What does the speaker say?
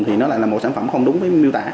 thì nó lại là một sản phẩm không đúng với miêu tả